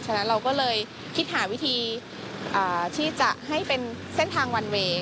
ฉะนั้นเราก็เลยคิดหาวิธีที่จะให้เป็นเส้นทางวันเวย์